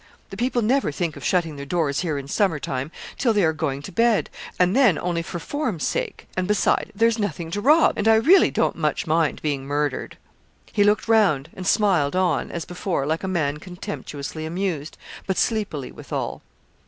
The people never think of shutting their doors here in summer time till they are going to bed, and then only for form's sake; and, beside, there's nothing to rob, and I really don't much mind being murdered.' He looked round, and smiled on, as before, like a man contemptuously amused, but sleepily withal.